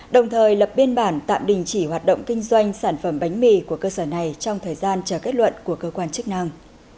đồng thời lập biên bản tạm đình chỉ hoạt động kinh doanh sản phẩm bánh mì của cơ sở này trong thời gian chờ kết luận của cơ quan chức năng